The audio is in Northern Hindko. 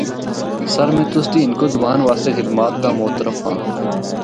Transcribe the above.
سر میں تسدی ہندکو زبان واسطے خدمات دا معترف ہاں۔